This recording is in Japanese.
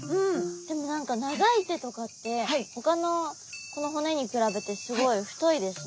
でも何か長い手とかってほかの骨に比べてすごい太いですね。